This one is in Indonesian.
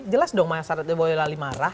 jelas dong masyarakat boyo lali marah